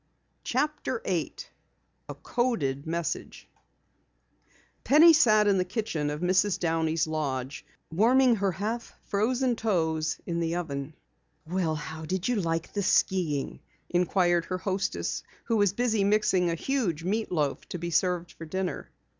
CHAPTER 8 A CODED MESSAGE Penny sat in the kitchen of Mrs. Downey's lodge, warming her half frozen toes in the oven. "Well, how did you like the skiing?" inquired her hostess who was busy mixing a huge meat loaf to be served for dinner.